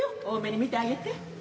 大目に見てあげて。